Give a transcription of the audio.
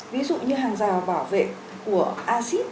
ví dụ như hàng rào bảo vệ của acid